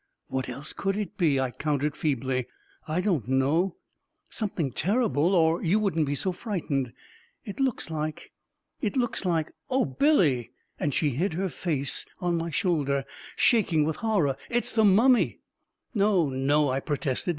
" What else could it be ?" I countered feebly. " I don't know — something terrible, or you 363 364 A KING IN BABYLON wouldn't be so frightened ! It looks like — it looks like — oh, Billy I " and she hid her face on my shoulder, shaking with horror. " It's the mummy I " 44 No, no," I protested.